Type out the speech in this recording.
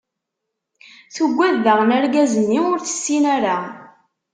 Tuggad daɣen argaz-nni ur tessin ara.